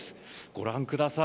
ご覧ください